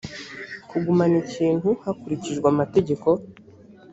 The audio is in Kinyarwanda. kugumana ikintu hakurikijwe amategeko